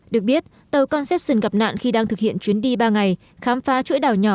được biết tàu concepion gặp nạn khi đang thực hiện chuyến đi ba ngày khám phá chuỗi đảo nhỏ